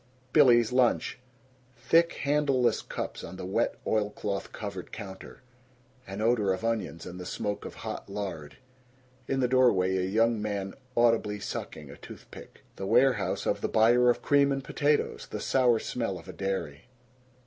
Billy's Lunch. Thick handleless cups on the wet oilcloth covered counter. An odor of onions and the smoke of hot lard. In the doorway a young man audibly sucking a toothpick. The warehouse of the buyer of cream and potatoes. The sour smell of a dairy.